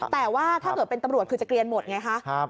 แต่ว่าถ้าเกิดเป็นตำรวจคือจะเกลียนหมดไงคะ